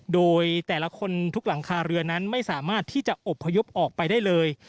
โดยแต่ละคนทุกหลังคาเรือนั้นไม่สามารถที่จะอบพยพออกไปได้เลย